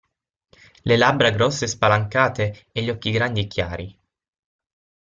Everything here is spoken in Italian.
Le labbra grosse spalancate, e gli occhi grandi e chiari.